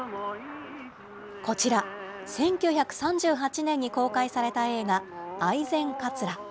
こちら、１９３８年に公開された映画、愛染かつら。